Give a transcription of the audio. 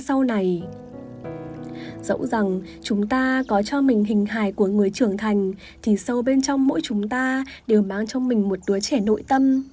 dẫu rằng chúng ta có cho mình hình hài của người trưởng thành thì sâu bên trong mỗi chúng ta đều mang cho mình một đứa trẻ nội tâm